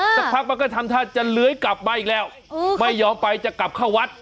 สักพักมันก็ทำท่าจะเลื้อยกลับมาอีกแล้วไม่ยอมไปจะกลับเข้าวัด